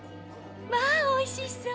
まあ、おいしそう！